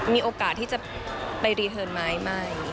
มีโอกาสที่จะไปรีเทิร์นไหมไม่